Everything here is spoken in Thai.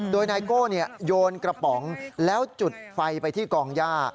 โดยนายโก้โยนกระป๋องแล้วจุดไฟไปที่กองย่า